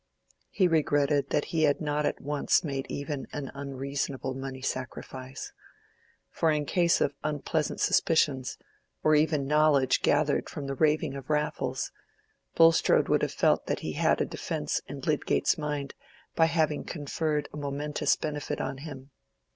He regretted that he had not at once made even an unreasonable money sacrifice. For in case of unpleasant suspicions, or even knowledge gathered from the raving of Raffles, Bulstrode would have felt that he had a defence in Lydgate's mind by having conferred a momentous benefit on him.